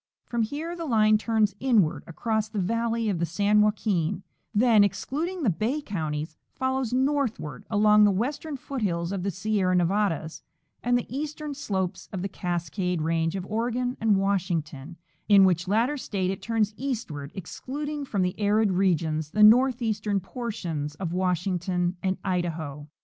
From here the line turns inward across the valley of the San Joaquin, then, excluding the bay counties, follows northward along the western foothills of the Sierra Nevadas and the eastern slopes of the Cascade range of Oregon and Washington, in which latter state it turns eastward, excluding from the arid regions the northeastern portions of Washington and Idaho.